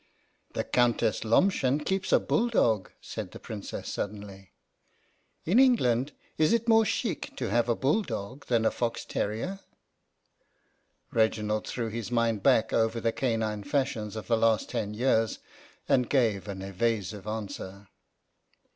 " The Countess Lomshen keeps a bull dog," said the Princess suddenly. " In England is it more chic to have a bull dog than a fox terrier ?" 2 REGINALD IN RUSSIA Reginald threw his mind back over the canine fashions of the last ten years and gave an evasive answer.